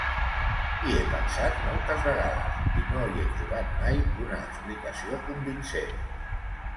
Hi he pensat moltes vegades i no hi he trobat mai una explicació convincent.